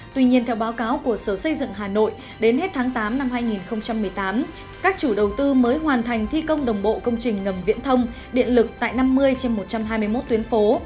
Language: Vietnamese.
tuy nhiên theo báo cáo của sở xây dựng hà nội đến hết tháng tám năm hai nghìn một mươi tám các chủ đầu tư mới hoàn thành thi công đồng bộ công trình ngầm viễn thông điện lực tại năm mươi trên một trăm hai mươi một tuyến phố